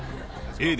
Ａで。